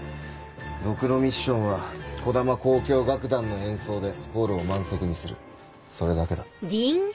僕のミッションは児玉交響楽団の演奏でホールを満席にするそれだけだ。